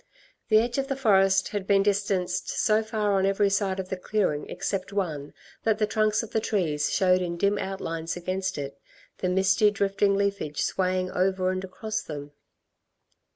The edge of the forest had been distanced so far on every side of the clearing, except one, that the trunks of the trees showed in dim outlines against it, the misty, drifting leafage swaying over and across them.